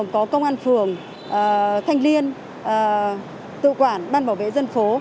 có công an phường thanh liên tự quản ban bảo vệ dân phố